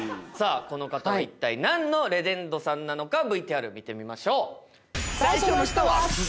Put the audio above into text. さあ、この方は一体なんのレジェンドさんなのか、ＶＴＲ見てみましょう。